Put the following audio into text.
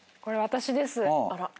これ私です。